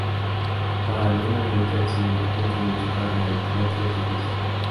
Paralelamente al cine, continuó su carrera en teatro y televisión.